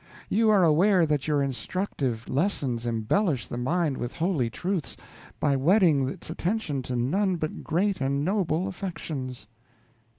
You are aware that your instructive lessons embellish the mind with holy truths, by wedding its attention to none but great and noble affections.